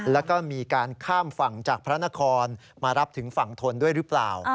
แล้วก็มีการข้ามฝั่งจากพระนครมารับถึงฝั่งทนด้วยหรือเปล่า